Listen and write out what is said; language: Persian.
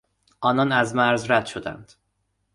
آنان از مرز رد شدند.